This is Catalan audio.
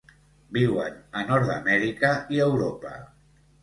Viuen a Nord-amèrica i Europa.